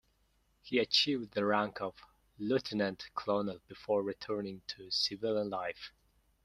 He achieved the rank of lieutenant colonel before returning to civilian life.